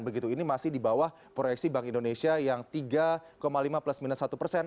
begitu ini masih di bawah proyeksi bank indonesia yang tiga lima plus minus satu persen